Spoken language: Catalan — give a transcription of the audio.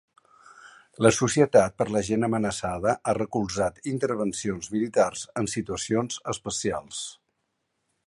La Societat per la Gent Amenaçada ha recolzat intervencions militars en situacions especials.